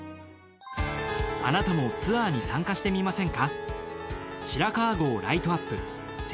あなたもツアーに参加してみませんか？